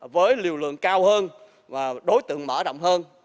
với liều lượng cao hơn và đối tượng mở rộng hơn